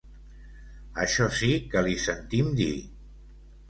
Això sí que l'hi sentim dir.